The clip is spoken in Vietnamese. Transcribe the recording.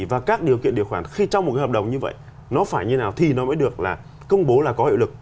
và các điều kiện điều khoản khi trong một cái hợp đồng như vậy nó phải như nào thì nó mới được là công bố là có hiệu lực